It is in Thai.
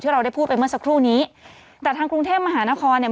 เราได้พูดไปเมื่อสักครู่นี้แต่ทางกรุงเทพมหานครเนี่ย